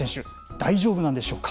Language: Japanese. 大丈夫なんでしょうか。